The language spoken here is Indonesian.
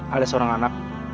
ada seorang anak